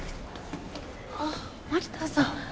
あっ槙田さん。